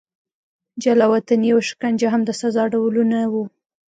جلا وطني او شکنجه هم د سزا ډولونه وو.